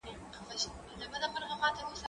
زه مخکي چای تيار کړی و؟